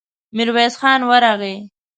ميرويس خان ورغی.